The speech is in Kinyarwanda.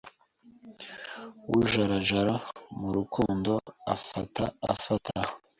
Ujarajara mu rukundo afata afata